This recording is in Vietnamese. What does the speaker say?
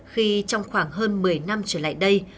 khi trong khoảng hơn một mươi năm trở lại đây